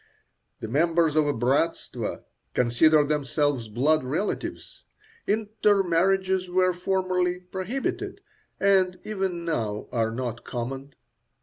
The members of a bratstvo consider themselves blood relatives, intermarriages were formerly prohibited, and even now are not common.